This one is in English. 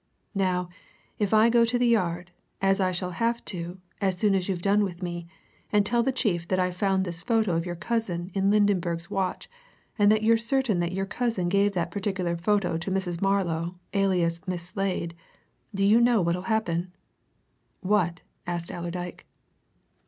Now, if I go to the Yard as I shall have to, as soon as you've done with me and tell the chief that I've found this photo of your cousin in Lydenberg's watch, and that you're certain that your cousin gave that particular photo to Mrs. Marlow, alias Miss Slade, do you know what'll happen?" "What?" asked Allerdyke.